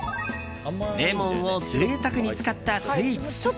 レモンを贅沢に使ったスイーツ。